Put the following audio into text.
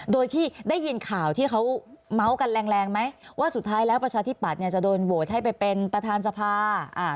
โดยที่ได้ยินข่าวที่เขาเมาส์กันแรงแรงไหมว่าสุดท้ายแล้วประชาธิปัตยเนี่ยจะโดนโหวตให้ไปเป็นประธานสภาอ่า